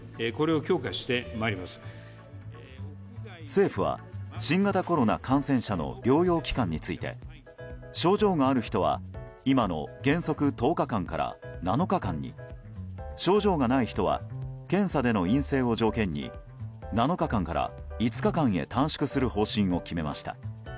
政府は、新型コロナ感染者の療養期間について症状がある人は今の原則１０日間から７日間に症状がない人は検査での陰性を条件に７日間から５日間へ短縮する方針を決めました。